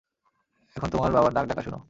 এখন তোমার বাবার নাক ডাকা শুনো।